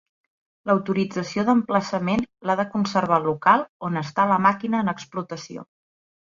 L'autorització d'emplaçament l'ha de conservar el local on està la màquina en explotació.